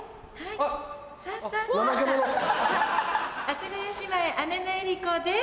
阿佐ヶ谷姉妹・姉の江里子です！